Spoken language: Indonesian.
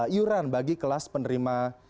iuran bagi kelas penerima